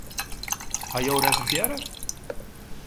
Hawwe jo reservearre?